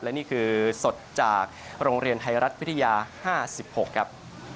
และนี่คือสดจากโรงเรียนไทยรัฐวิทยา๕๖ครับ